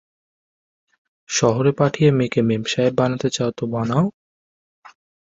শহরে পাঠিয়ে মেয়েকে মেমসাহেব বানাতে চাও তো বানাও।